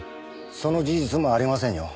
その事実もありませんよ。